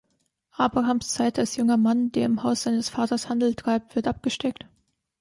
Abrahams Zeit als junger Mann, der im Haus seines Vaters Handel treibt, wird abgesteckt.